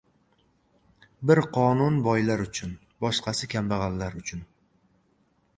• Bir qonun boylar uchun, boshqasi kambag‘allar uchun.